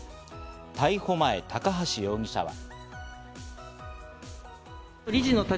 逮捕前、高橋容疑者は。